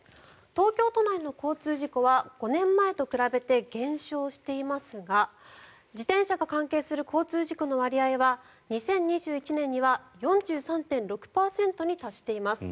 東京都内の交通事故は５年前と比べて減少していますが自転車が関係する交通事故の割合は２０２１年には４３．６％に達しています。